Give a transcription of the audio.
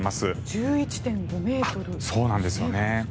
１１．５ｍですね、風速。